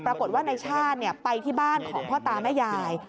ปรากฏว่าในชาติไปที่บ้านของพ่อตาแม่ยาย